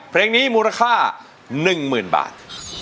เพลงนี้มูลค่า๑๐๐๐บาท